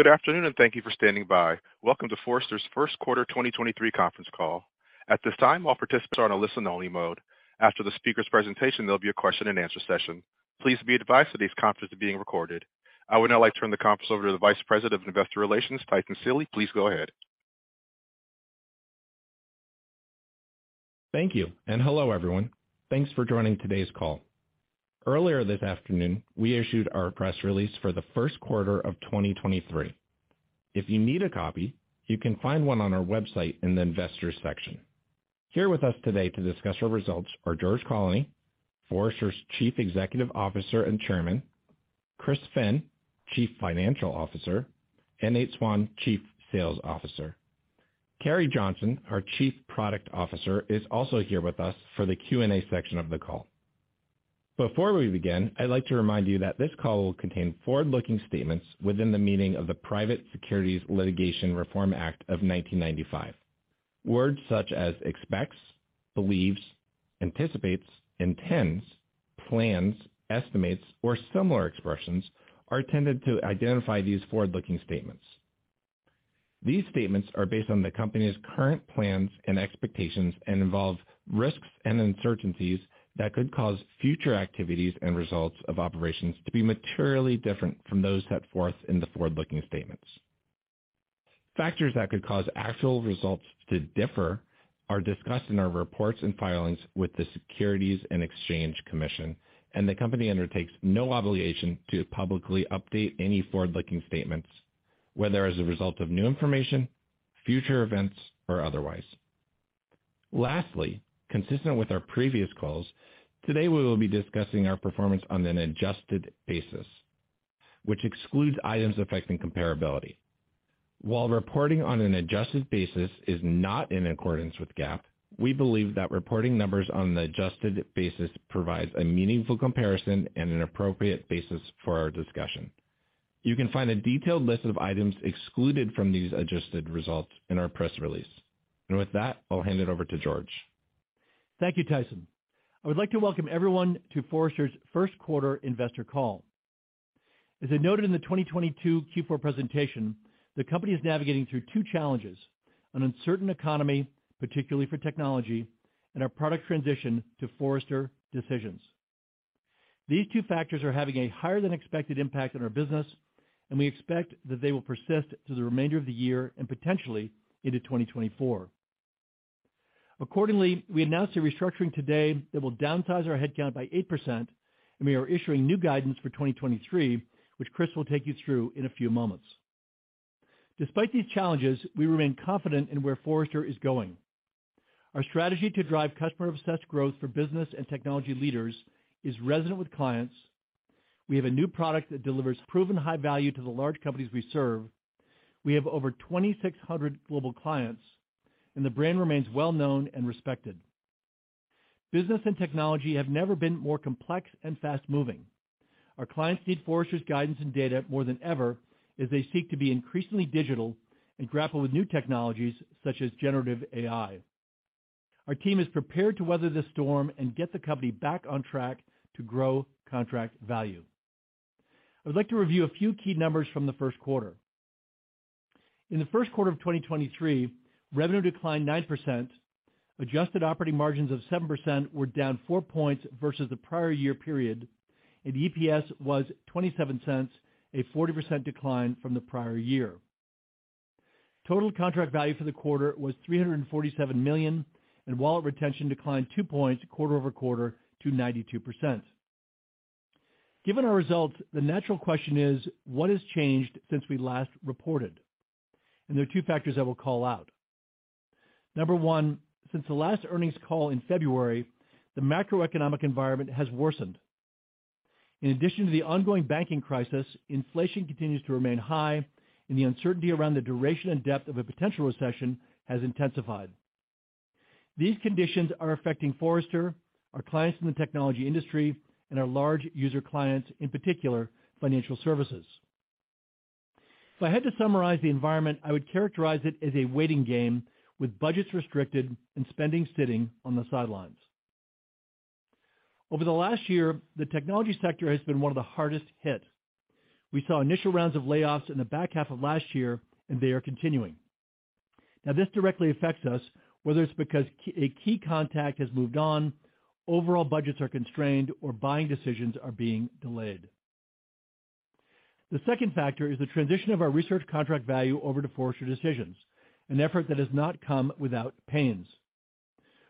Good afternoon and thank you for standing by. Welcome to Forrester's first quarter 2023 conference call. At this time, all participants are on a listen only mode. After the speaker's presentation, there'll be a question and answer session. Please be advised that this conference is being recorded. I would now like to turn the conference over to the Vice President of Investor Relations, Tyson Seely. Please go ahead. Thank you. Hello, everyone. Thanks for joining today's call. Earlier this afternoon, we issued our press release for the first quarter of 2023. If you need a copy, you can find one on our website in the investors section. Here with us today to discuss our results are George Colony, Forrester's Chief Executive Officer and Chairman, Chris Finn, Chief Financial Officer, and Nate Swan, Chief Sales Officer. Carrie Johnson, our Chief Product Officer, is also here with us for the Q&A section of the call. Before we begin, I'd like to remind you that this call will contain forward-looking statements within the meaning of the Private Securities Litigation Reform Act of 1995. Words such as expects, believes, anticipates, intends, plans, estimates, or similar expressions are intended to identify these forward-looking statements. These statements are based on the company's current plans and expectations and involve risks and uncertainties that could cause future activities and results of operations to be materially different from those set forth in the forward-looking statements. Factors that could cause actual results to differ are discussed in our reports and filings with the Securities and Exchange Commission, and the company undertakes no obligation to publicly update any forward-looking statements, whether as a result of new information, future events, or otherwise. Lastly, consistent with our previous calls, today we will be discussing our performance on an adjusted basis, which excludes items affecting comparability. While reporting on an adjusted basis is not in accordance with GAAP, we believe that reporting numbers on the adjusted basis provides a meaningful comparison and an appropriate basis for our discussion. You can find a detailed list of items excluded from these adjusted results in our press release. With that, I'll hand it over to George. Thank you, Tyson. I would like to welcome everyone to Forrester's first quarter investor call. As I noted in the 2022 Q4 presentation, the company is navigating through two challenges: an uncertain economy, particularly for technology, and our product transition to Forrester Decisions. These two factors are having a higher than expected impact on our business, and we expect that they will persist through the remainder of the year and potentially into 2024. Accordingly, we announced a restructuring today that will downsize our headcount by 8%, and we are issuing new guidance for 2023, which Chris will take you through in a few moments. Despite these challenges, we remain confident in where Forrester is going. Our strategy to drive customer obsessed growth for business and technology leaders is resonant with clients. We have a new product that delivers proven high value to the large companies we serve. We have over 2,600 global clients. The brand remains well known and respected. Business and technology have never been more complex and fast-moving. Our clients need Forrester's guidance and data more than ever as they seek to be increasingly digital and grapple with new technologies such as generative AI. Our team is prepared to weather this storm and get the company back on track to grow contract value. I would like to review a few key numbers from the first quarter. In the first quarter of 2023, revenue declined 9%. Adjusted operating margins of 7% were down 4 points versus the prior year period. EPS was $0.27, a 40% decline from the prior year. Total contract value for the quarter was $347 million, wallet retention declined 2 points quarter-over-quarter to 92%. Given our results, the natural question is: What has changed since we last reported? There are two factors I will call out. Number one, since the last earnings call in February, the macroeconomic environment has worsened. In addition to the ongoing banking crisis, inflation continues to remain high, and the uncertainty around the duration and depth of a potential recession has intensified. These conditions are affecting Forrester, our clients in the technology industry, and our large user clients, in particular, financial services. If I had to summarize the environment, I would characterize it as a waiting game with budgets restricted and spending sitting on the sidelines. Over the last year, the technology sector has been one of the hardest hit. We saw initial rounds of layoffs in the back half of last year. They are continuing. This directly affects us, whether it's because a key contact has moved on, overall budgets are constrained or buying decisions are being delayed. The second factor is the transition of our research contract value over to Forrester Decisions, an effort that has not come without pains.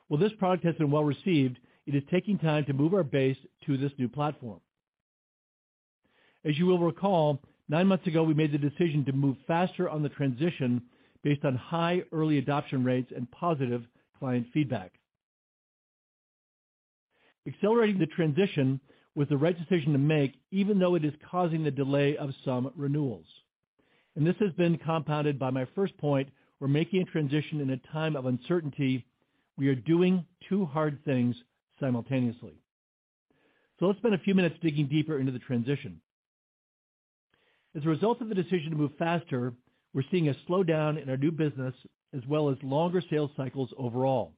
While this product has been well received, it is taking time to move our base to this new platform. As you will recall, nine months ago, we made the decision to move faster on the transition based on high early adoption rates and positive client feedback. Accelerating the transition was the right decision to make, even though it is causing the delay of some renewals. This has been compounded by my first point. We're making a transition in a time of uncertainty. We are doing two hard things simultaneously. Let's spend a few minutes digging deeper into the transition. As a result of the decision to move faster, we're seeing a slowdown in our new business as well as longer sales cycles overall.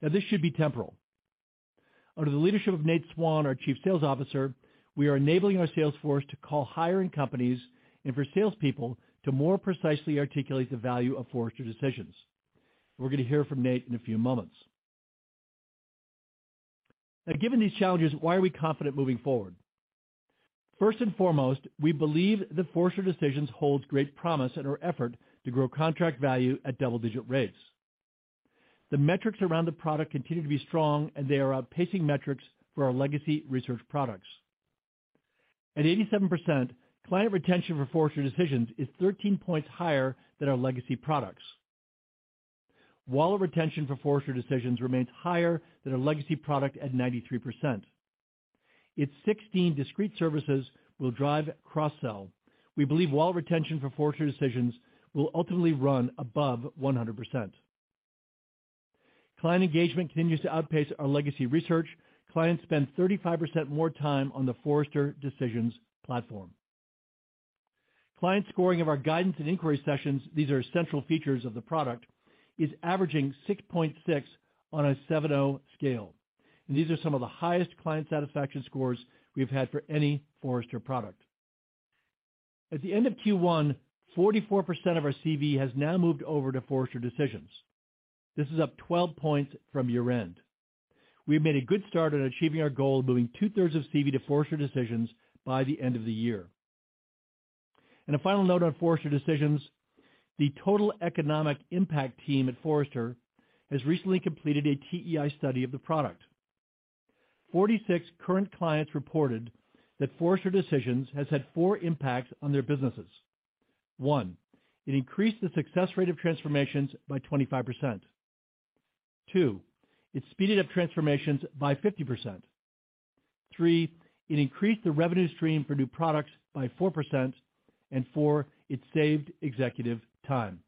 This should be temporal. Under the leadership of Nate Swan, our Chief Sales Officer, we are enabling our sales force to call hiring companies and for salespeople to more precisely articulate the value of Forrester Decisions. We're gonna hear from Nate in a few moments. Given these challenges, why are we confident moving forward? First and foremost, we believe that Forrester Decisions holds great promise in our effort to grow contract value at double-digit rates. The metrics around the product continue to be strong, and they are outpacing metrics for our legacy research products. At 87%, client retention for Forrester Decisions is 13 points higher than our legacy products. Wallet retention for Forrester Decisions remains higher than our legacy product at 93%. Its 16 discrete services will drive cross-sell. We believe wallet retention for Forrester Decisions will ultimately run above 100%. Client engagement continues to outpace our legacy research. Clients spend 35% more time on the Forrester Decisions platform. Client scoring of our guidance and inquiry sessions, these are central features of the product, is averaging 6.6 on a 7-0 scale. These are some of the highest client satisfaction scores we've had for any Forrester product. At the end of Q1, 44% of our CV has now moved over to Forrester Decisions. This is up 12 points from year-end. We have made a good start on achieving our goal of moving two-thirds of CV to Forrester Decisions by the end of the year. A final note on Forrester Decisions, the Total Economic Impact team at Forrester has recently completed a TEI study of the product. 46 current clients reported that Forrester Decisions has had four impacts on their businesses. One, it increased the success rate of transformations by 25%. Two, it speeded up transformations by 50%. Three, it increased the revenue stream for new products by 4%. Four, it saved executive time.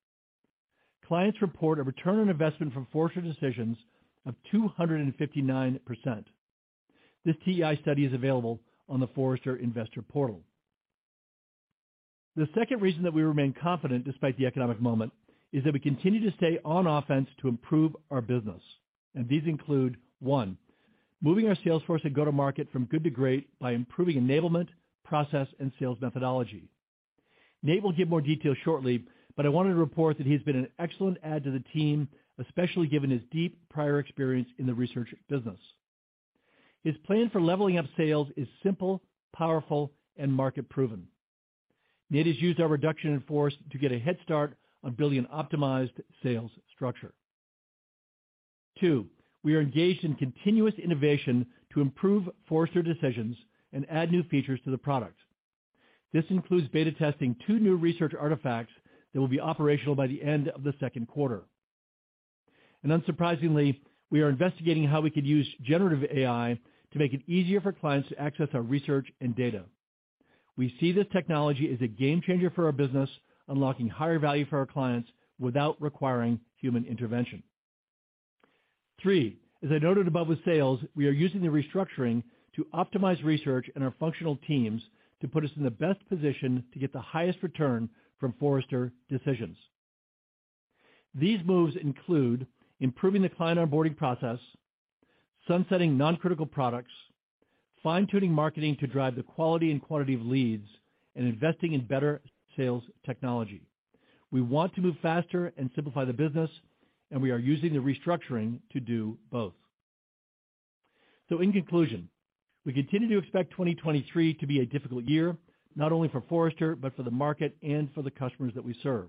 Clients report a return on investment from Forrester Decisions of 259%. This TEI study is available on the Forrester investor portal. The second reason that we remain confident despite the economic moment is that we continue to stay on offense to improve our business. These include, one, moving our sales force and go-to-market from good to great by improving enablement, process, and sales methodology. Nate will give more detail shortly, but I wanted to report that he has been an excellent add to the team, especially given his deep prior experience in the research business. His plan for leveling up sales is simple, powerful, and market-proven. Nate has used our reduction in force to get a head start on building optimized sales structure. two, we are engaged in continuous innovation to improve Forrester Decisions and add new features to the product. This includes beta testing two new research artifacts that will be operational by the end of the second quarter. Unsurprisingly, we are investigating how we could use generative AI to make it easier for clients to access our research and data. We see this technology as a game changer for our business, unlocking higher value for our clients without requiring human intervention. Three, as I noted above with sales, we are using the restructuring to optimize research and our functional teams to put us in the best position to get the highest return from Forrester Decisions. These moves include improving the client onboarding process, sunsetting non-critical products, fine-tuning marketing to drive the quality and quantity of leads, and investing in better sales technology. We want to move faster and simplify the business, and we are using the restructuring to do both. In conclusion, we continue to expect 2023 to be a difficult year, not only for Forrester, but for the market and for the customers that we serve.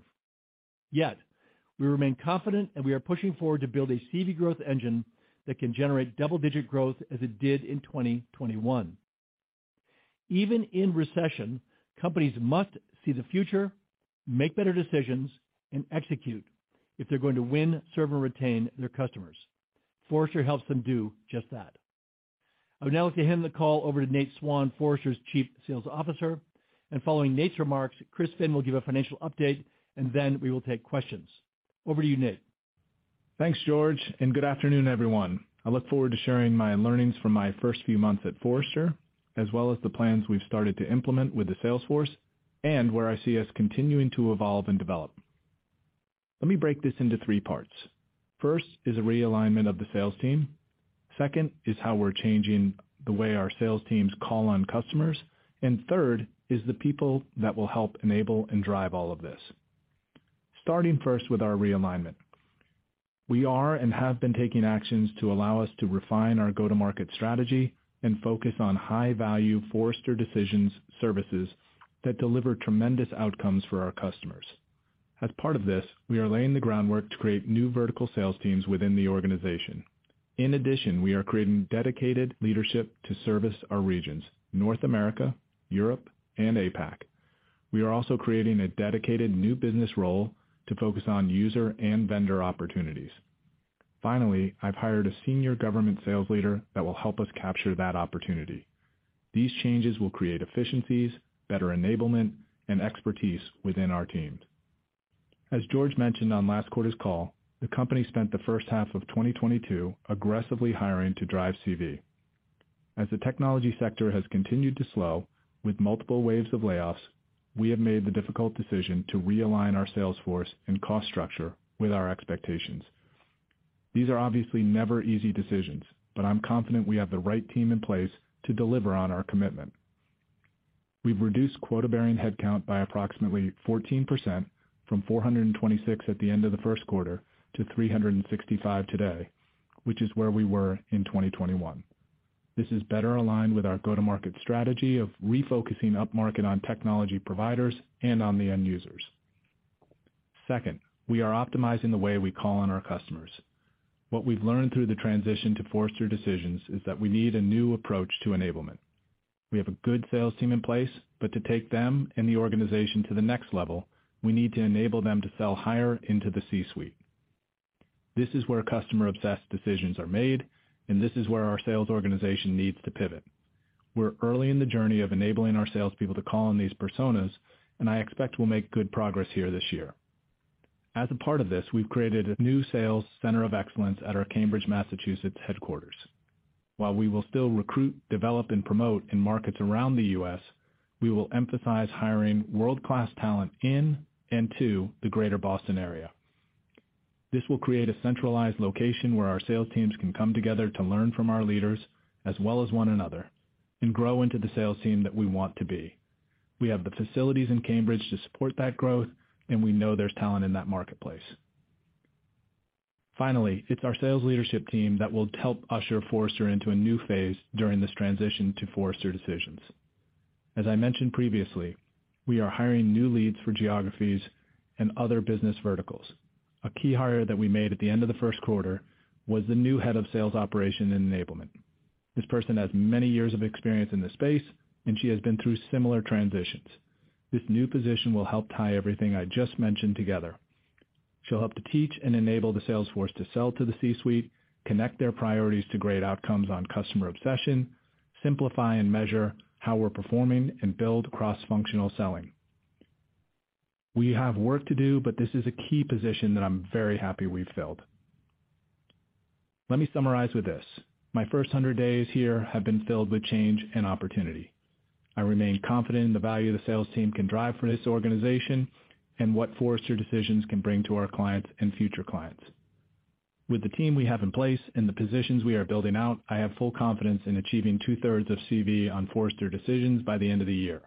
We remain confident, and we are pushing forward to build a CV growth engine that can generate double-digit growth as it did in 2021. Even in recession, companies must see the future, make better decisions, and execute if they're going to win, serve, and retain their customers. Forrester helps them do just that. I would now like to hand the call over to Nate Swan, Forrester's Chief Sales Officer, and following Nate's remarks, Chris Finn will give a financial update, and then we will take questions. Over to you, Nate. Thanks, George, and good afternoon, everyone. I look forward to sharing my learnings from my first few months at Forrester, as well as the plans we've started to implement with the sales force and where I see us continuing to evolve and develop. Let me break this into three parts. First is a realignment of the sales team. Second is how we're changing the way our sales teams call on customers. Third is the people that will help enable and drive all of this. Starting first with our realignment. We are and have been taking actions to allow us to refine our go-to-market strategy and focus on high-value Forrester Decisions services that deliver tremendous outcomes for our customers. As part of this, we are laying the groundwork to create new vertical sales teams within the organization. In addition, we are creating dedicated leadership to service our regions, North America, Europe, and APAC. We are also creating a dedicated new business role to focus on user and vendor opportunities. Finally, I've hired a senior government sales leader that will help us capture that opportunity. These changes will create efficiencies, better enablement, and expertise within our teams. As George mentioned on last quarter's call, the company spent the first half of 2022 aggressively hiring to drive CV. As the technology sector has continued to slow with multiple waves of layoffs, we have made the difficult decision to realign our sales force and cost structure with our expectations. These are obviously never easy decisions, but I'm confident we have the right team in place to deliver on our commitment. We've reduced quota-bearing headcount by approximately 14% from 426 at the end of the first quarter to 365 today, which is where we were in 2021. This is better aligned with our go-to-market strategy of refocusing upmarket on technology providers and on the end users. Second, we are optimizing the way we call on our customers. What we've learned through the transition to Forrester Decisions is that we need a new approach to enablement. We have a good sales team in place, but to take them and the organization to the next level, we need to enable them to sell higher into the C-suite. This is where customer-obsessed decisions are made, and this is where our sales organization needs to pivot. We're early in the journey of enabling our salespeople to call on these personas. I expect we'll make good progress here this year. As a part of this, we've created a new sales center of excellence at our Cambridge, Massachusetts headquarters. While we will still recruit, develop, and promote in markets around the U.S., we will emphasize hiring world-class talent in and to the Greater Boston area. This will create a centralized location where our sales teams can come together to learn from our leaders as well as one another and grow into the sales team that we want to be. We have the facilities in Cambridge to support that growth. We know there's talent in that marketplace. Finally, it's our sales leadership team that will help usher Forrester into a new phase during this transition to Forrester Decisions. As I mentioned previously, we are hiring new leads for geographies and other business verticals. A key hire that we made at the end of the first quarter was the new head of sales operations and enablement. This person has many years of experience in this space, and she has been through similar transitions. This new position will help tie everything I just mentioned together. She'll help to teach and enable the sales force to sell to the C-suite, connect their priorities to great outcomes on customer obsession, simplify and measure how we're performing, and build cross-functional selling. We have work to do, this is a key position that I'm very happy we've filled. Let me summarize with this. My first 100 days here have been filled with change and opportunity. I remain confident in the value the sales team can drive for this organization and what Forrester Decisions can bring to our clients and future clients. With the team we have in place and the positions we are building out, I have full confidence in achieving two-thirds of CV on Forrester Decisions by the end of the year,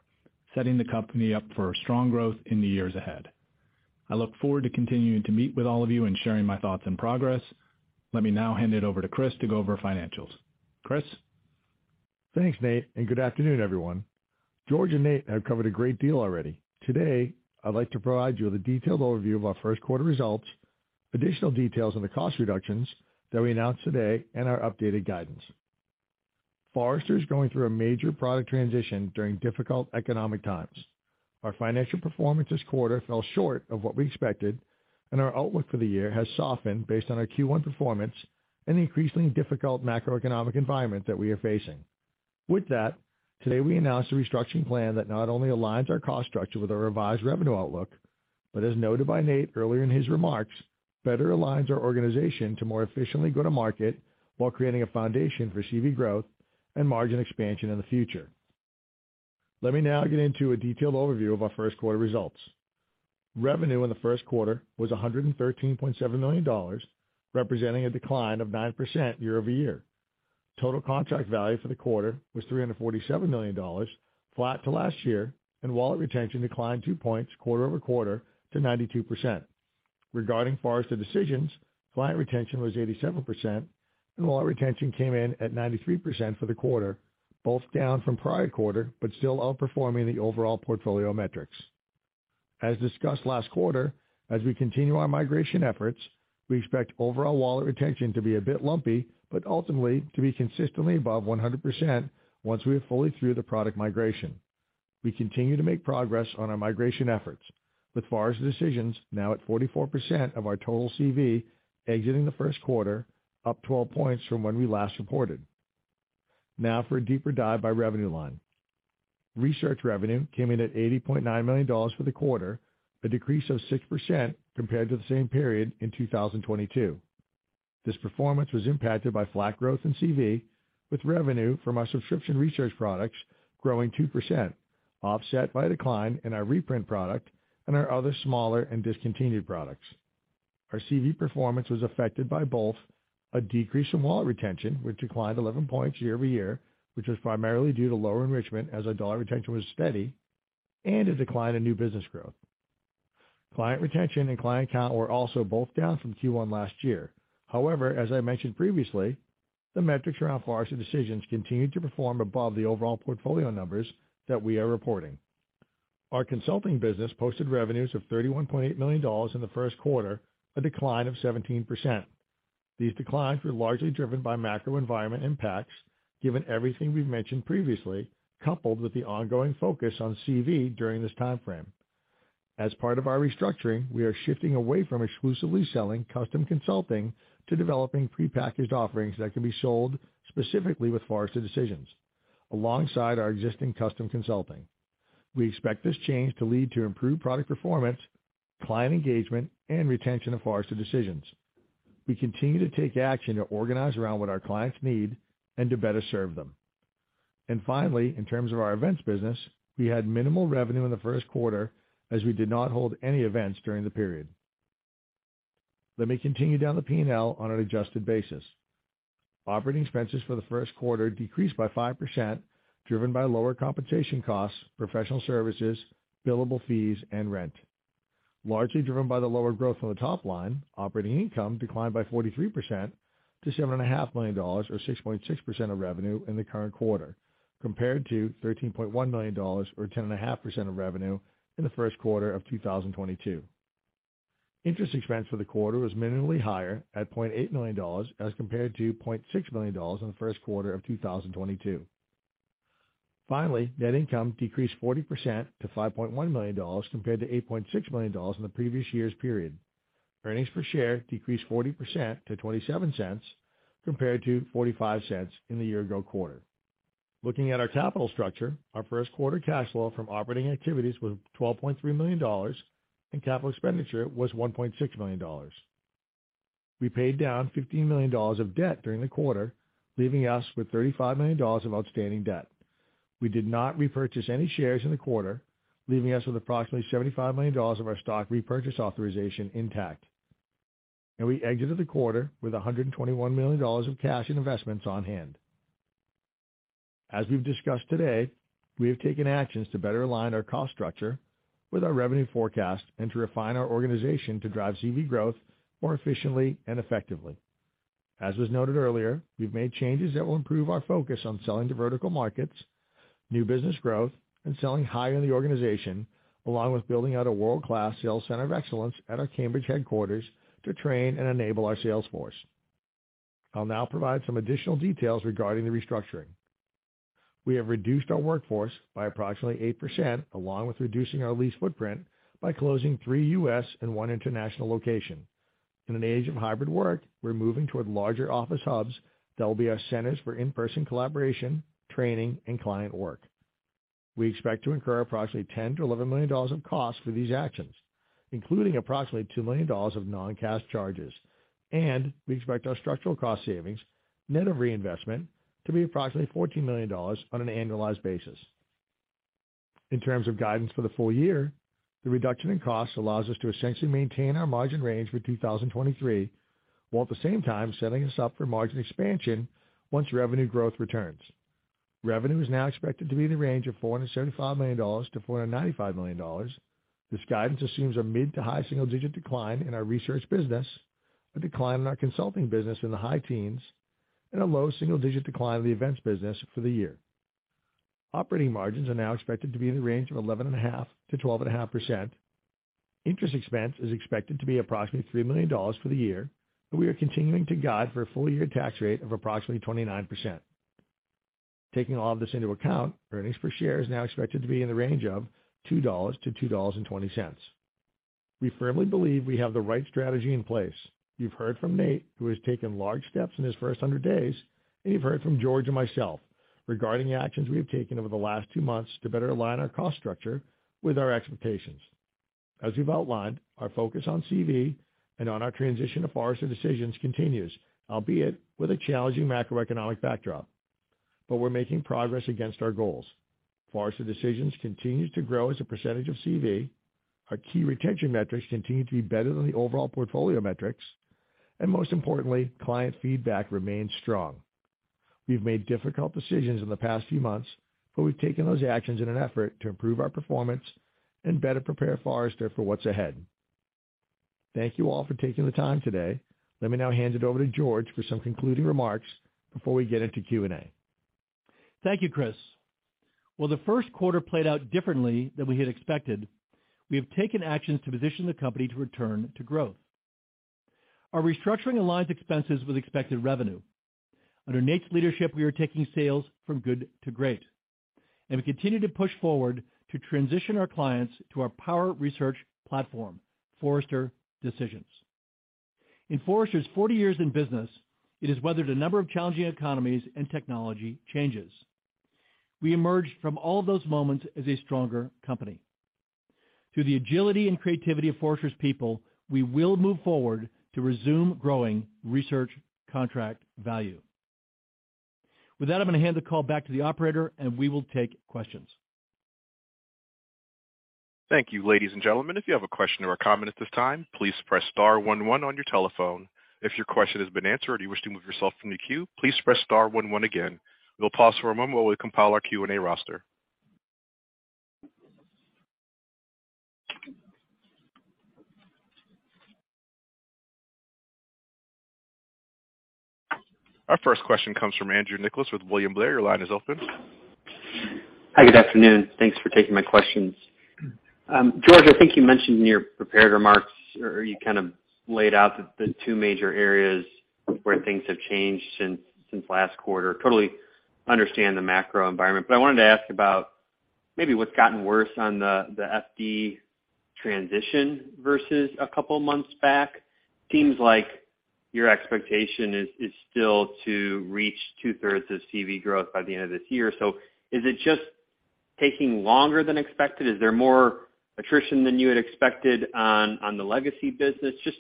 setting the company up for strong growth in the years ahead. I look forward to continuing to meet with all of you and sharing my thoughts and progress. Let me now hand it over to Chris to go over financials. Chris? Thanks, Nate. Good afternoon, everyone. George and Nate have covered a great deal already. Today, I'd like to provide you with a detailed overview of our 1st quarter results, additional details on the cost reductions that we announced today, and our updated guidance. Forrester is going through a major product transition during difficult economic times. Our financial performance this quarter fell short of what we expected, and our outlook for the year has softened based on our Q1 performance and the increasingly difficult macroeconomic environment that we are facing. With that, today, we announced a restructuring plan that not only aligns our cost structure with our revised revenue outlook, but as noted by Nate earlier in his remarks, better aligns our organization to more efficiently go to market while creating a foundation for CV growth and margin expansion in the future. Let me now get into a detailed overview of our first quarter results. Revenue in the first quarter was $113.7 million, representing a decline of 9% year-over-year. Total contract value for the quarter was $347 million, flat to last year. Wallet retention declined 2 points quarter-over-quarter to 92%. Regarding Forrester Decisions, client retention was 87%. Wallet retention came in at 93% for the quarter, both down from prior quarter but still outperforming the overall portfolio metrics. As discussed last quarter, as we continue our migration efforts, we expect overall wallet retention to be a bit lumpy, but ultimately to be consistently above 100% once we are fully through the product migration. We continue to make progress on our migration efforts. With Forrester Decisions now at 44% of our total CV exiting the first quarter, up 12 points from when we last reported. Now for a deeper dive by revenue line. Research revenue came in at $80.9 million for the quarter, a decrease of 6% compared to the same period in 2022. This performance was impacted by flat growth in CV, with revenue from our subscription research products growing 2%, offset by a decline in our reprint product and our other smaller and discontinued products. Our CV performance was affected by both a decrease in wallet retention, which declined 11 points year-over-year, which was primarily due to lower enrichment as our dollar retention was steady, and a decline in new business growth. Client retention and client count were also both down from Q1 last year. However, as I mentioned previously, the metrics around Forrester Decisions continue to perform above the overall portfolio numbers that we are reporting. Our consulting business posted revenues of $31.8 million in the first quarter, a decline of 17%. These declines were largely driven by macro environment impacts, given everything we've mentioned previously, coupled with the ongoing focus on CV during this time frame. As part of our restructuring, we are shifting away from exclusively selling custom consulting to developing prepackaged offerings that can be sold specifically with Forrester Decisions alongside our existing custom consulting. We expect this change to lead to improved product performance, client engagement, and retention of Forrester Decisions. We continue to take action to organize around what our clients need and to better serve them. Finally, in terms of our events business, we had minimal revenue in the first quarter as we did not hold any events during the period. Let me continue down the P&L on an adjusted basis. Operating expenses for the first quarter decreased by 5%, driven by lower compensation costs, professional services, billable fees, and rent. Largely driven by the lower growth on the top line, operating income declined by 43% to $7.5 million, or 6.6% of revenue in the current quarter, compared to $13.1 million or 10.5% of revenue in the first quarter of 2022. Interest expense for the quarter was minimally higher at $0.8 million as compared to $0.6 million in the first quarter of 2022. Finally, net income decreased 40% to $5.1 million compared to $8.6 million in the previous year's period. Earnings per share decreased 40% to $0.27 compared to $0.45 in the year ago quarter. Looking at our capital structure, our first quarter cash flow from operating activities was $12.3 million, and capital expenditure was $1.6 million. We paid down $15 million of debt during the quarter, leaving us with $35 million of outstanding debt. We did not repurchase any shares in the quarter, leaving us with approximately $75 million of our stock repurchase authorization intact. We exited the quarter with $121 million of cash and investments on hand. As we've discussed today, we have taken actions to better align our cost structure with our revenue forecast and to refine our organization to drive CV growth more efficiently and effectively. As was noted earlier, we've made changes that will improve our focus on selling to vertical markets, new business growth, and selling higher in the organization, along with building out a world-class sales center of excellence at our Cambridge headquarters to train and enable our sales force. I'll now provide some additional details regarding the restructuring. We have reduced our workforce by approximately 8%, along with reducing our lease footprint by closing three U.S. and one international location. In an age of hybrid work, we're moving toward larger office hubs that will be our centers for in-person collaboration, training, and client work. We expect to incur approximately $10 million-$11 million in costs for these actions, including approximately $2 million of non-cash charges. We expect our structural cost savings net of reinvestment to be approximately $14 million on an annualized basis. In terms of guidance for the full year, the reduction in costs allows us to essentially maintain our margin range for 2023, while at the same time setting us up for margin expansion once revenue growth returns. Revenue is now expected to be in the range of $475 million-$495 million. This guidance assumes a mid-to-high single-digit decline in our research business, a decline in our consulting business in the high teens, and a low single-digit decline of the events business for the year. Operating margins are now expected to be in the range of 11.5%-12.5%. Interest expense is expected to be approximately $3 million for the year, and we are continuing to guide for a full-year tax rate of approximately 29%. Taking all of this into account, earnings per share is now expected to be in the range of $2-$2.20. We firmly believe we have the right strategy in place. You've heard from Nate, who has taken large steps in his first 100 days, and you've heard from George and myself regarding the actions we have taken over the last two months to better align our cost structure with our expectations. As we've outlined, our focus on CV and on our transition to Forrester Decisions continues, albeit with a challenging macroeconomic backdrop. We're making progress against our goals. Forrester Decisions continues to grow as a percentage of CV. Our key retention metrics continue to be better than the overall portfolio metrics. Most importantly, client feedback remains strong. We've made difficult decisions in the past few months, but we've taken those actions in an effort to improve our performance and better prepare Forrester for what's ahead. Thank you all for taking the time today. Let me now hand it over to George for some concluding remarks before we get into Q&A. Thank you, Chris. While the first quarter played out differently than we had expected, we have taken actions to position the company to return to growth. Our restructuring aligns expenses with expected revenue. Under Nate's leadership, we are taking sales from good to great, and we continue to push forward to transition our clients to our power research platform, Forrester Decisions. In Forrester's 40 years in business, it has weathered a number of challenging economies and technology changes. We emerged from all of those moments as a stronger company. Through the agility and creativity of Forrester's people, we will move forward to resume growing research contract value. With that, I'm going to hand the call back to the operator, and we will take questions. Thank you, ladies and gentlemen. If you have a question or a comment at this time, please press star one, one on your telephone. If your question has been answered or you wish to move yourself from the queue, please press star one, one again. We'll pause for a moment while we compile our Q&A roster. Our first question comes from Andrew Nicholas with William Blair. Your line is open. Hi, good afternoon. Thanks for taking my questions. George, I think you mentioned in your prepared remarks or you kind of laid out the two major areas where things have changed since last quarter. Totally understand the macro environment, I wanted to ask about maybe what's gotten worse on the FD transition versus a couple of months back. Seems like your expectation is still to reach two-thirds of CV growth by the end of this year. Is it just taking longer than expected? Is there more attrition than you had expected on the legacy business? Just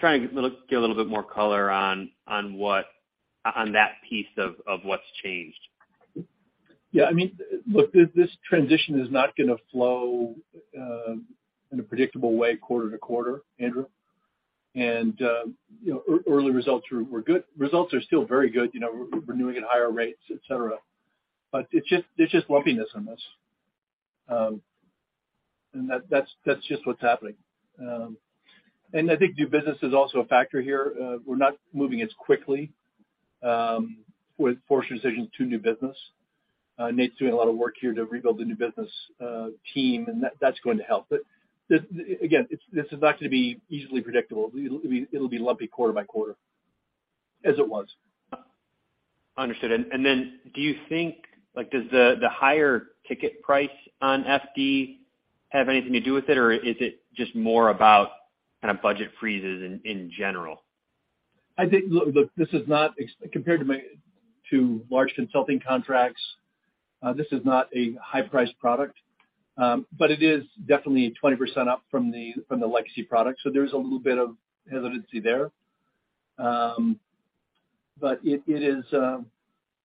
trying to get a little bit more color on that piece of what's changed. Yeah, I mean, look, this transition is not gonna flow in a predictable way quarter to quarter, Andrew. You know, early results were good. Results are still very good, you know, we're doing it at higher rates, et cetera. It's just, there's just lumpiness in this. That's just what's happening. I think new business is also a factor here. We're not moving as quickly with Forrester Decisions to new business. Nate's doing a lot of work here to rebuild the new business team, and that's going to help. Again, it's not gonna be easily predictable. It'll be lumpy quarter by quarter, as it was. Understood. Do you think, does the higher ticket price on FD have anything to do with it? Or is it just more about kind of budget freezes in general? I think, look, this is not compared to large consulting contracts, this is not a high-priced product. It is definitely 20% up from the, from the legacy product. There's a little bit of hesitancy there.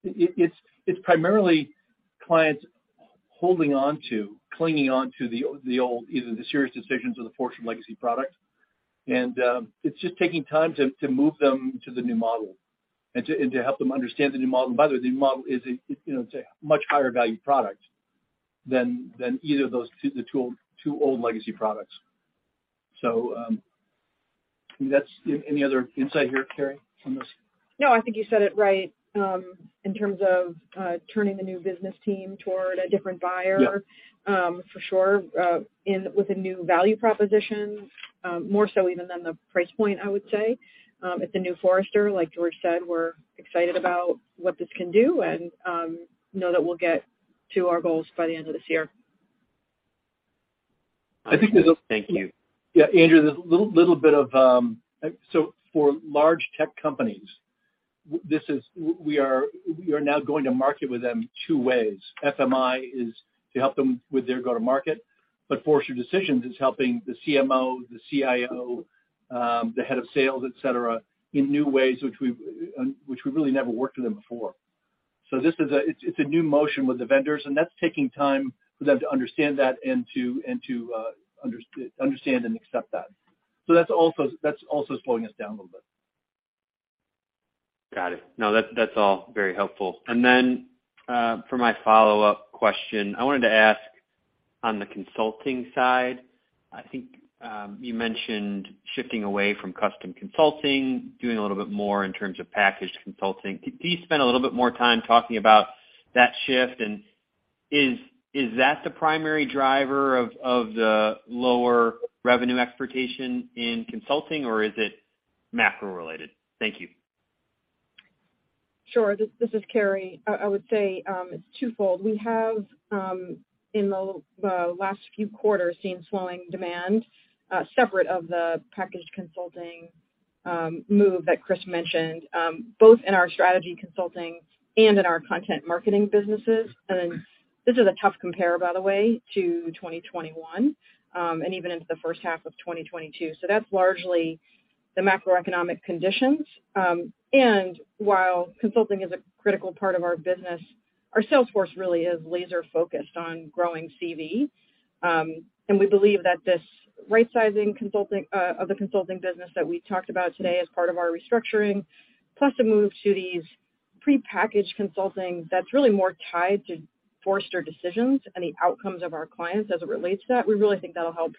It's primarily clients holding on to, clinging on to the old, either the SiriusDecisions or the Forrester legacy product. It's just taking time to move them to the new model and to, and to help them understand the new model. By the way, the new model is a, you know, it's a much higher value product than either of those two, the two old legacy products. That's. Any other insight here, Carrie, on this? No, I think you said it right, in terms of, turning the new business team toward a different buyer- Yeah. For sure, with a new value proposition, more so even than the price point, I would say. At the new Forrester, like George said, we're excited about what this can do and know that we'll get to our goals by the end of this year. I think there's. Thank you. Yeah, Andrew, there's a little bit of. For large tech companies, we are now going to market with them two ways. FMI is to help them with their go-to-market, but Forrester Decisions is helping the CMO, the CIO, the head of sales, et cetera, in new ways which we've really never worked with them before. It's a new motion with the vendors, and that's taking time for them to understand that and to understand and accept that. That's also slowing us down a little bit. Got it. No, that's all very helpful. Then, for my follow-up question, I wanted to ask on the consulting side, I think, you mentioned shifting away from custom consulting, doing a little bit more in terms of packaged consulting. Could you spend a little bit more time talking about that shift? Is that the primary driver of the lower revenue expectation in consulting or is it macro related? Thank you. Sure. This is Carrie. I would say, it's twofold. We have in the last few quarters seen slowing demand, separate of the packaged consulting move that Chris mentioned, both in our strategy consulting and in our content marketing businesses. This is a tough compare, by the way, to 2021, and even into the first half of 2022. That's largely the macroeconomic conditions. While consulting is a critical part of our business, our sales force really is laser-focused on growing CV. We believe that this right-sizing consulting of the consulting business that we talked about today as part of our restructuring, plus a move to these prepackaged consulting that's really more tied to Forrester Decisions and the outcomes of our clients as it relates to that, we really think that'll help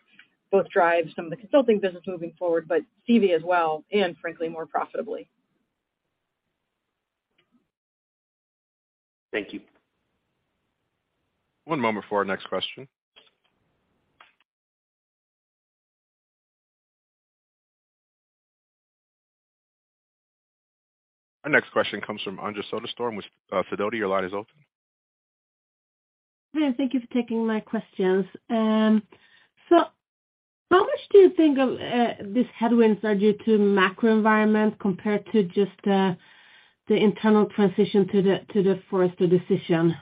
both drive some of the consulting business moving forward, but CV as well, and frankly, more profitably. Thank you. One moment for our next question. Our next question comes from Anja Soderstrom with Sidoti. Your line is open. Hi, and thank you for taking my questions. How much do you think of this headwinds are due to macro environment compared to just the internal transition to the Forrester Decisions?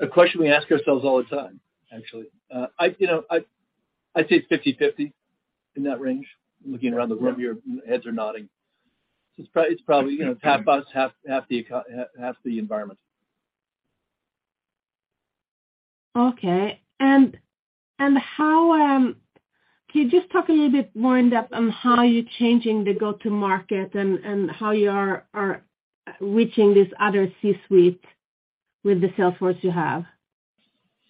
A question we ask ourselves all the time, actually. you know, I'd say it's 50/50, in that range. Looking around the room, your heads are nodding. It's probably, you know, half us, half the environment. Okay. How can you just talk a little bit more in depth on how you're changing the go-to-market and, how you are reaching this other C-suite with the sales force you have?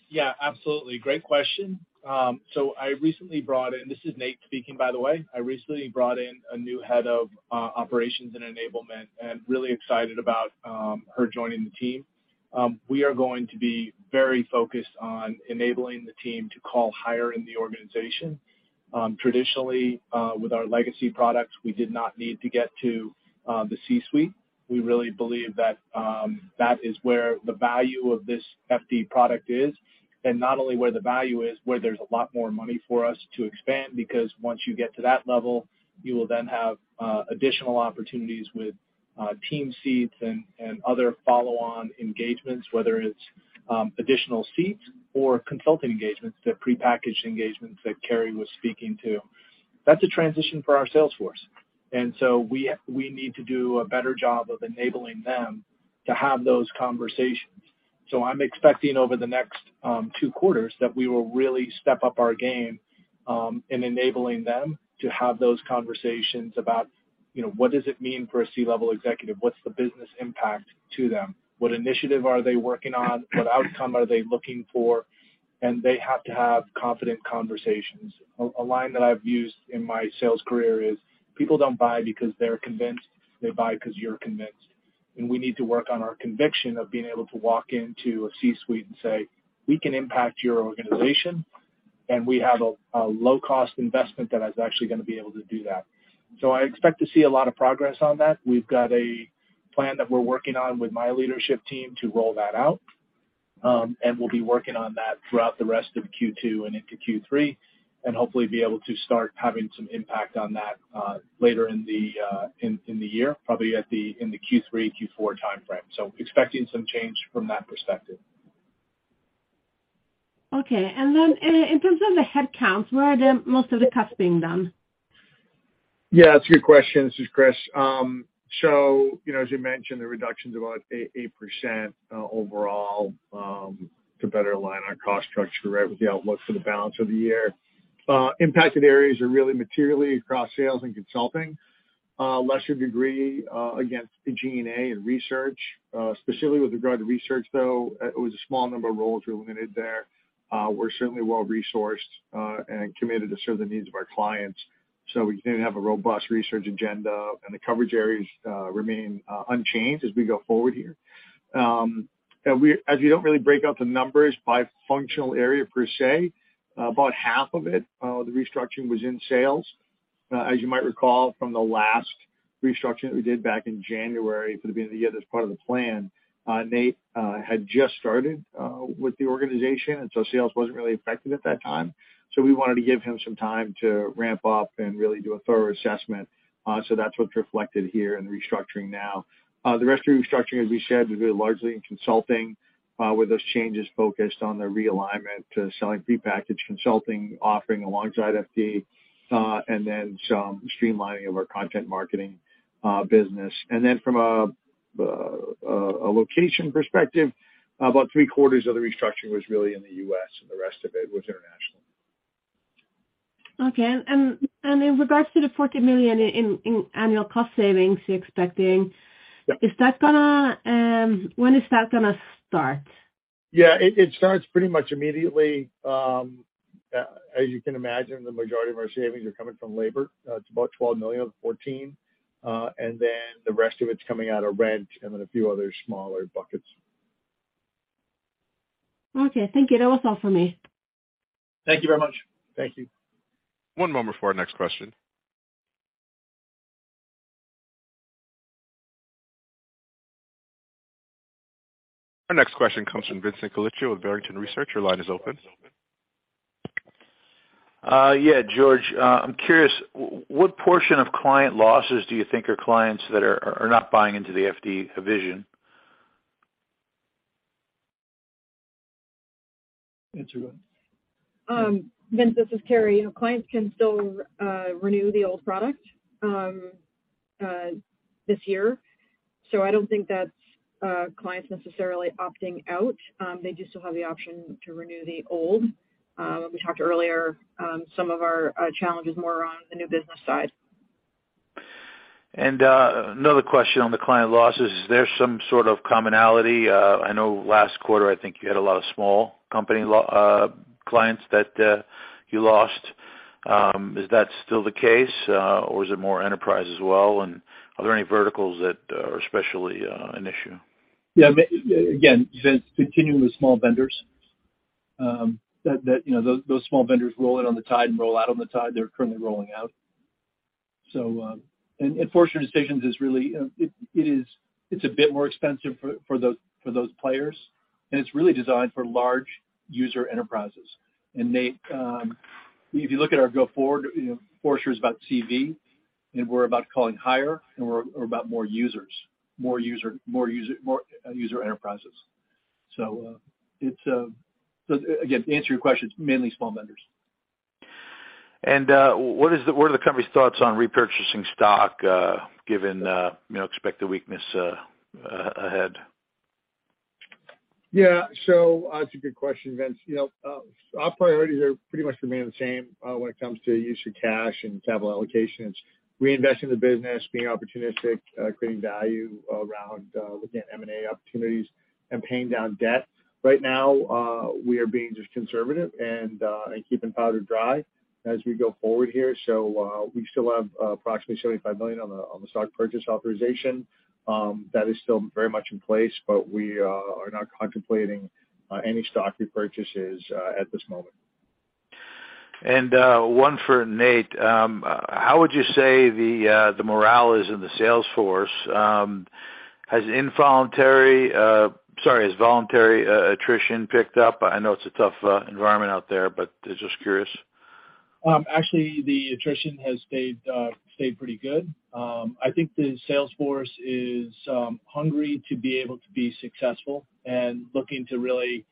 Yeah, absolutely. Great question. This is Nate speaking, by the way. I recently brought in a new head of operations and enablement, and really excited about her joining the team. We are going to be very focused on enabling the team to call higher in the organization. Traditionally, with our legacy products, we did not need to get to the C-suite. We really believe that that is where the value of this FD product is, and not only where the value is, where there's a lot more money for us to expand, because once you get to that level, you will then have additional opportunities with team seats and other follow-on engagements, whether it's additional seats or consulting engagements, the prepackaged engagements that Carrie was speaking to. That's a transition for our sales force. We need to do a better job of enabling them to have those conversations. I'm expecting over the next two quarters that we will really step up our game in enabling them to have those conversations about, you know, what does it mean for a C-level executive? What's the business impact to them? What initiative are they working on? What outcome are they looking for? They have to have confident conversations. A line that I've used in my sales career is, "People don't buy because they're convinced. They buy 'cause you're convinced." We need to work on our conviction of being able to walk into a C-suite and say, "We can impact your organization, and we have a low-cost investment that is actually gonna be able to do that." I expect to see a lot of progress on that. We've got a plan that we're working on with my leadership team to roll that out. We'll be working on that throughout the rest of Q2 and into Q3, and hopefully be able to start having some impact on that later in the year, probably at the in the Q3, Q4 timeframe. Expecting some change from that perspective. Okay. Then in terms of the headcounts, where are the most of the cuts being done? Yeah, that's a good question. This is Chris. So, you know, as you mentioned, the reduction's about 8% overall to better align our cost structure, right, with the outlook for the balance of the year. Impacted areas are really materially across sales and consulting, lesser degree against G&A and research. Specifically with regard to research, though, it was a small number of roles we eliminated there. We're certainly well-resourced and committed to serve the needs of our clients, so we continue to have a robust research agenda, and the coverage areas remain unchanged as we go forward here. As we don't really break out the numbers by functional area per se, about half of it, the restructuring was in sales. As you might recall from the last restructuring that we did back in January for the beginning of the year that's part of the plan, Nate had just started with the organization, sales wasn't really affected at that time. We wanted to give him some time to ramp up and really do a thorough assessment, so that's what's reflected here in the restructuring now. The rest of the restructuring, as we said, was really largely in consulting, with those changes focused on the realignment, selling prepackaged consulting offering alongside FD, and then some streamlining of our content marketing business. From a location perspective, about three-quarters of the restructuring was really in the U.S., and the rest of it was international. Okay. In regards to the $40 million in annual cost savings you're expecting? Yep. When is that gonna start? Yeah. It starts pretty much immediately. As you can imagine, the majority of our savings are coming from labor. It's about $12 million of $14 million. The rest of it's coming out of rent and then a few other smaller buckets. Okay. Thank you. That was all for me. Thank you very much. Thank you. One moment for our next question. Our next question comes from Vincent Colicchio with Barrington Research. Your line is open. yeah, George, I'm curious, what portion of client losses do you think are clients that are not buying into the FD vision? Answer that. Vince, this is Carrie. You know, clients can still renew the old product this year. I don't think that's clients necessarily opting out. They do still have the option to renew the old. When we talked earlier, some of our challenges more around the new business side. Another question on the client losses, is there some sort of commonality? I know last quarter, I think you had a lot of small company clients that you lost. Is that still the case, or is it more enterprise as well? Are there any verticals that are especially an issue? Yeah, again, Vince, continuing with small vendors, you know, those small vendors roll in on the tide and roll out on the tide. They're currently rolling out. Forrester Decisions is really, it is, it's a bit more expensive for those players, and it's really designed for large user enterprises. Nate, if you look at our go forward, you know, Forrester is about CV, and we're about calling higher, and we're about more users, more user enterprises. Again, to answer your question, it's mainly small vendors. What are the company's thoughts on repurchasing stock, given, you know, expected weakness, ahead? Yeah. It's a good question, Vince. You know, our priorities are pretty much remain the same when it comes to use of cash and capital allocations. Reinvest in the business, being opportunistic, creating value around looking at M&A opportunities and paying down debt. Right now, we are being just conservative and keeping powder dry as we go forward here. We still have approximately $75 million on the stock purchase authorization. That is still very much in place, but we are not contemplating any stock repurchases at this moment. One for Nate. How would you say the morale is in the sales force? Has voluntary attrition picked up? I know it's a tough environment out there, but just curious. Actually the attrition has stayed pretty good. I think the sales force is hungry to be able to be successful and looking to really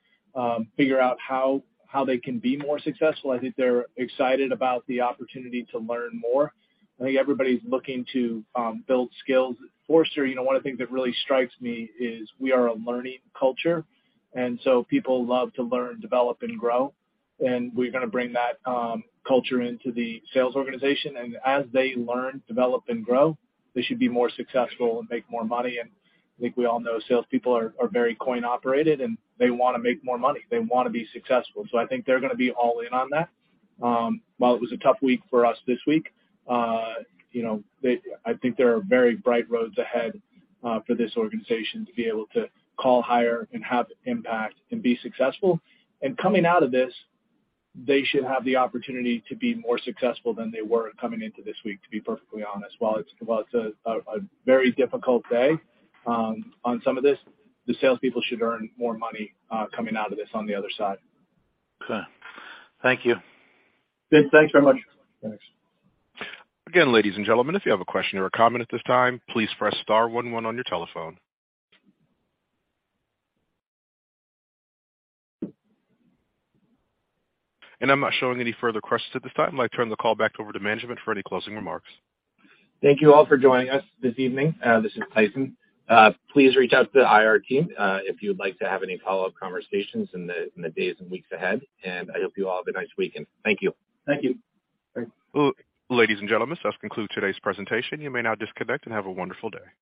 figure out how they can be more successful. I think they're excited about the opportunity to learn more. I think everybody's looking to build skills. At Forrester, you know, one of the things that really strikes me is we are a learning culture, so people love to learn, develop and grow, and we're gonna bring that culture into the sales organization. As they learn, develop and grow, they should be more successful and make more money. I think we all know salespeople are very coin operated, and they wanna make more money. They wanna be successful. I think they're gonna be all in on that. While it was a tough week for us this week, I think there are very bright roads ahead for this organization to be able to call higher and have impact and be successful. Coming out of this, they should have the opportunity to be more successful than they were coming into this week, to be perfectly honest. While it's a very difficult day on some of this, the salespeople should earn more money coming out of this on the other side. Okay. Thank you. Vince, thanks very much. Thanks. Again, ladies and gentlemen, if you have a question or a comment at this time, please press star one, one on your telephone. I'm not showing any further questions at this time. I'd like to turn the call back over to management for any closing remarks. Thank you all for joining us this evening. This is Tyson. Please reach out to the IR team if you'd like to have any follow-up conversations in the days and weeks ahead. I hope you all have a nice weekend. Thank you. Thank you. Thanks. Ladies and gentlemen, this does conclude today's presentation. You may now disconnect and have a wonderful day.